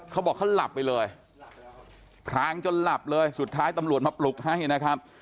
เขาบอกเขาหลับไปเลยพรางจนหลับเลยสุดท้ายตำรวจมาปลุกให้นะครับ